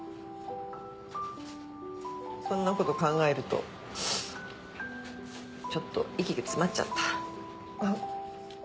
そんなこと考えるとちょっと息が詰まっちゃった。